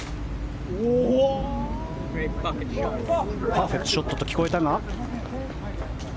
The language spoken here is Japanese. パーフェクトショットと聞こえたが。